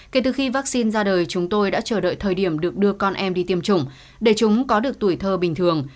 kể từ khi vaccine ra đời chúng tôi đã chờ đợi thời điểm được đưa con em đi tiêm chủng để chúng có được tuổi thơ bình thường